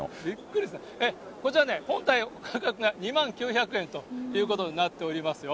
こちら、本体の価格が２万９００円ということになっておりますよ。